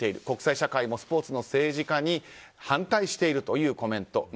国際社会もスポーツの政治化に反対しているというコメント。